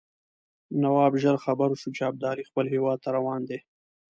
نواب ژر خبر شو چې ابدالي خپل هیواد ته روان دی.